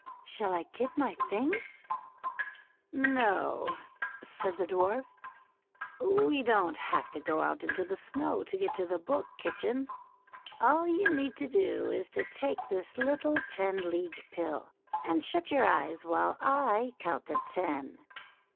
" Shall I get on my things ?" "No," said the Dwarf, "we don't have to go out into the snow to get to the Book Kitchen. All you need to do is to take this little Ten League Pill and shut your eyes while I count ten."